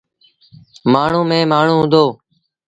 مآڻهوٚݩ ميݩ مآڻهوٚݩ هُݩدو۔